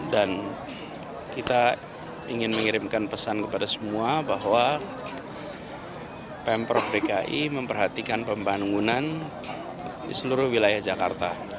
dan kita ingin mengirimkan pesan kepada semua bahwa pemprov dki memperhatikan pembangunan di seluruh wilayah jakarta